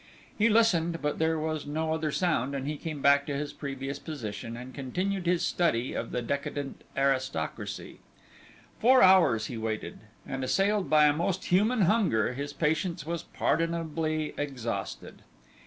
He listened, but there was no other sound, and he came back to his previous position, and continued his study of the decadent aristocracy. Four hours he waited, and assailed by a most human hunger, his patience was pardonably exhausted.